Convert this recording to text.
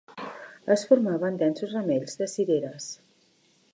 Es formaven densos ramells de cireres